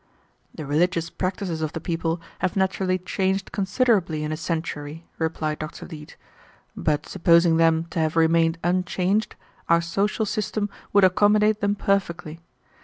"The religious practices of the people have naturally changed considerably in a century," replied Dr. Leete; "but supposing them to have remained unchanged, our social system would accommodate them perfectly.